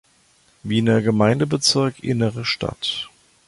Wiener Gemeindebezirk Innere Stadt.